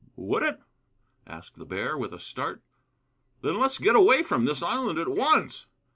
"Would it?" asked the bear, with a start. "Then let us get away from this island at once!"